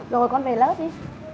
rồi con về lớp đi